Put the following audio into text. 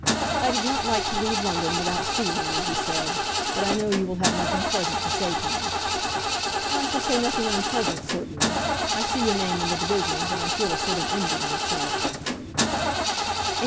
"I did not like to leave London without seeing you," he said; "but I know you will have nothing pleasant to say to me." "I shall say nothing unpleasant certainly. I see your name in the divisions, and I feel a sort of envy myself."